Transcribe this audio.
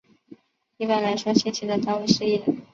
一般来说信息的单位是页。